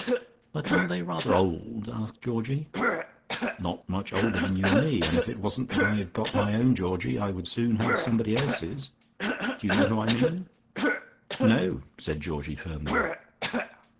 "But aren't they rather old?" asked Georgie. "Not much older than you and me, and if it wasn't that I've got my own Georgie, I would soon have somebody else's. Do you know who I mean?" "No!" said Georgie firmly.